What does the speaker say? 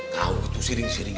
kau gitu sering sering